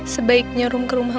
sebaiknya rum ke rumah